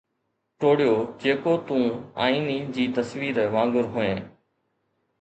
ٽوڙيو جيڪو تون آئيني جي تصوير وانگر هئين